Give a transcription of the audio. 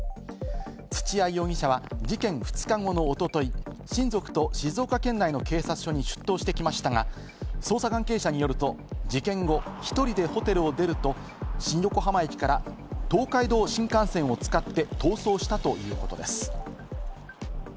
土屋容疑者は事件２日後のおととい、親族と静岡県内の警察署に出頭してきましたが、捜査関係者によると、事件後、一人でホテルを出ると、新横浜駅から東海道新幹線を使って逃走したということです。